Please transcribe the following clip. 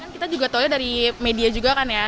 kita juga tahunya dari media juga kan ya